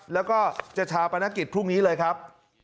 แล้วก็จะชาปนกิจพรุ่งนี้เลยครับ